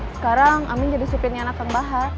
sekarang amin jadi supirnya anak kang bahar